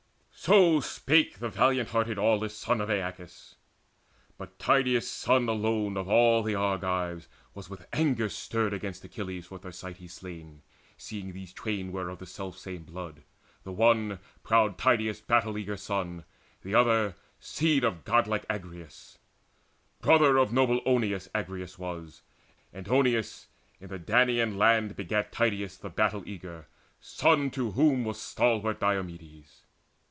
So spake the valiant hearted aweless son Of Aeacus. But Tydeus' son alone Of all the Argives was with anger stirred Against Achilles for Thersites slain, Seeing these twain were of the self same blood, The one, proud Tydeus' battle eager son, The other, seed of godlike Agrius: Brother of noble Oeneus Agrius was; And Oeneus in the Danaan land begat Tydeus the battle eager, son to whom Was stalwart Diomedes.